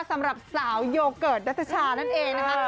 สำหรับสาวโยเกิร์ตนัทชานั่นเองนะคะ